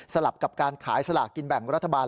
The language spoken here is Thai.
ลับกับการขายสลากกินแบ่งรัฐบาล